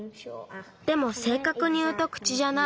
でもせいかくにいうと口じゃない。